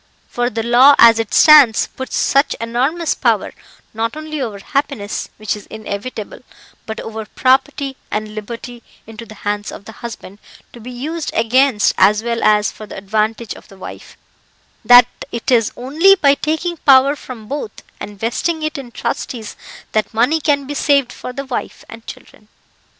For the law as it stands puts such enormous power, not only over happiness (which is inevitable), but over property and liberty, into the hands of the husband, to be used against as well as for the advantage of the wife, that it is only by taking power from both, and vesting it in trustees, that money can be saved for the wife and children.